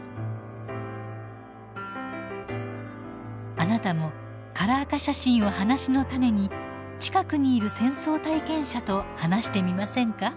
あなたもカラー化写真を話のタネに近くにいる戦争体験者と話してみませんか？